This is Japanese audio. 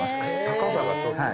高さがちょっとね。